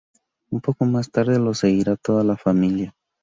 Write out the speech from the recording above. Un poco más tarde lo seguirá toda la familia.